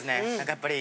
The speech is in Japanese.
やっぱり。